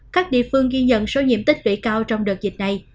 các địa phương ghi nhận số nhiệm tích lũy cao trong đợt dịch này